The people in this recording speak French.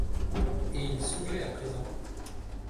Et il songeait à présent